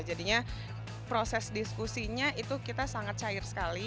jadinya proses diskusinya itu kita sangat cair sekali